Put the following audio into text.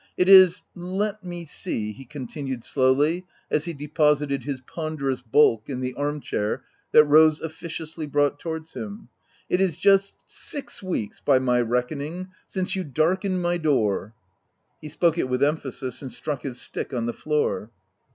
It is — let — me — see," he continued slowly, as he deposited his ponderous bulk in the arm chair that Rose officiously brought towards him, "it is just — six— weeks — by my reckoning, since you darkened — my — door !'* He spoke it with emphasis, and struck his stick on the floor.